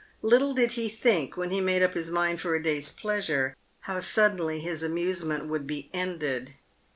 Little did he think when he made up his mind for a day's pleasure how suddenly his amusement would be ended.